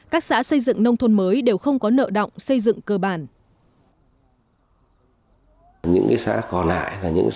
các xã xây dựng nông thôn mới đều không có nợ động xây dựng cơ bản